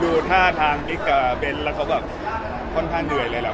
ดูท่าทางนี่กับเบนนะครับก็ค่อนข้างเหนื่อยในนิดนึง